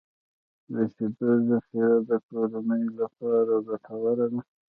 د شیدو ذخیره د کورنیو لپاره ګټوره ده.